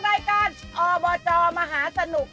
ได้การอบจอมหาสนุก